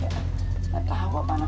gak tau kok panas lagi panas